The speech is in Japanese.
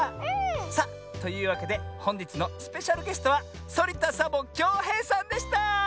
さあというわけでほんじつのスペシャルゲストはそりた・サボ・きょうへいさんでした！